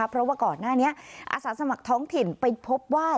เพราะว่าก่อนหน้านี้อาสาสมัครท้องถิ่นไปพบว่า